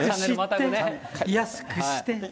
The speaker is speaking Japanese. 安くして。